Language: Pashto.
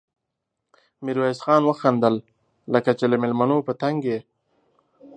ميرويس خان وخندل: لکه چې له مېلمنو په تنګ يې؟